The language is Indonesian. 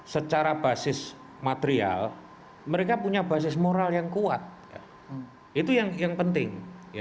secara basis material mereka punya basis moral yang kuat itu yang penting